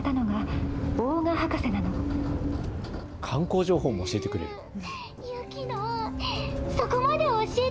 観光情報も教えてくれる。